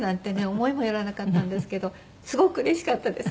思いもよらなかったんですけどすごくうれしかったです。